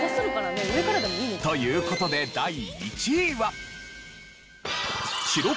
という事で第１位は。